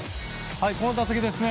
この打席ですね。